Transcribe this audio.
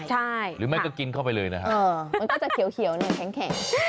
ใช่หรือไม่ก็กินเข้าไปเลยนะครับมันก็จะเขียวเนี่ยแข็ง